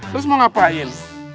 terus mau ngapain